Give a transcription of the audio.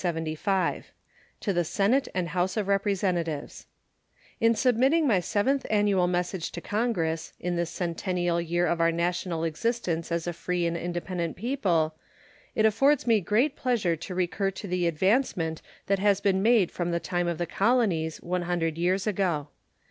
To the Senate and House of Representatives: In submitting my seventh annual message to Congress, in this centennial year of our national existence as a free and independent people, it affords me great pleasure to recur to the advancement that has been made from the time of the colonies, one hundred years ago.